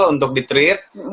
untuk di treat